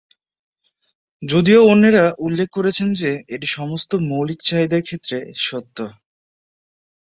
যদিও অন্যরা উল্লেখ করেছেন যে এটি সমস্ত মৌলিক চাহিদার ক্ষেত্রে সত্য।